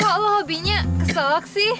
kok lo hobinya keselak sih